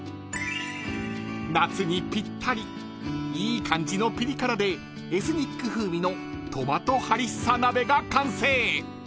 いい感じのピリ辛でエスニック風味のトマトハリッサ鍋が完成］